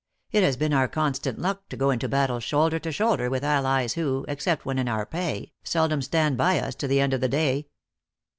It has been our constant luck to go into battle shoulder to shoulder with allies who, except when in our pay, seldom stand by us to the end of the day."